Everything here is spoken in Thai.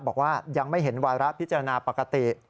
บอกว่ายังไม่เห็นวาระพิจารณาปกติ